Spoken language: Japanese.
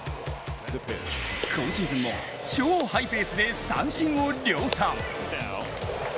今シーズンも超ハイペースで三振を量産。